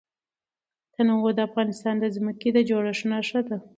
تنوع د افغانستان د ځمکې د جوړښت نښه ده.